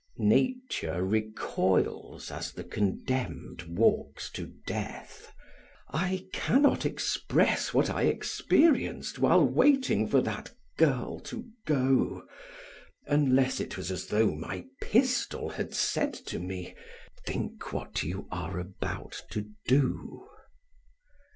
Nature recoils as the condemned walks to death. I can not express what I experienced while waiting for that girl to go, unless it was as though my pistol had said to me "Think what you are about to do."